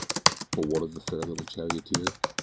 But what of the fair little charioteer?